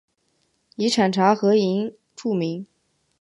以产茶和银著名。